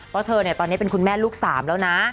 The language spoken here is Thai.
เพราะเธอตอนนี้เป็นคุณแม่ลูก๓แล้วนะ